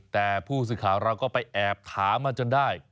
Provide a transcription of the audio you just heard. แต่ผู้สื่อข่าวเราก็ไปแอบถามมาจนได้